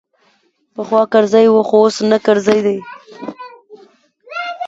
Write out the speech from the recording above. پخوا کرزی وو خو اوس نه کرزی دی.